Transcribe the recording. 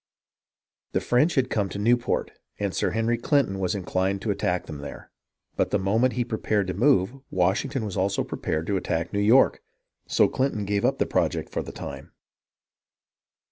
The French had come to Newport, and Sir Henry Clinton was inclined to attack them there; but the moment he prepared to move, Washington also prepared to attack New York, so Clinton gave up the project for the time.